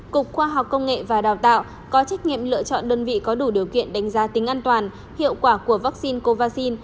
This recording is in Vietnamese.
cục khoa học công nghệ và đào tạo có trách nhiệm lựa chọn đơn vị có đủ điều kiện đánh giá tính an toàn hiệu quả của vaccine covid